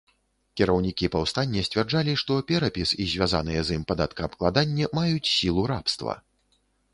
Кіраўнікі паўстання сцвярджалі, што перапіс і звязаныя з ім падаткаабкладанне маюць сілу рабства.